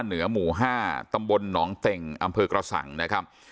เหนือหมู่๕ตำบลหนองเต็งอำเภอกระสังนะครับ